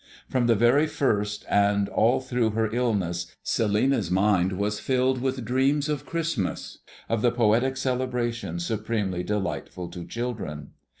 From the very first and all through her illness Celinina's mind was filled with dreams of Christmas, of the poetic celebration supremely delightful to children.